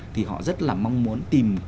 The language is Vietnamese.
thì họ rất là mong muốn tìm